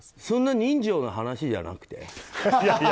そんな人情の話じゃなくて。